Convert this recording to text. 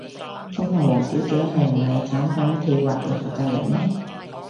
請問王小姐係唔係產品企劃嘅負責人呢？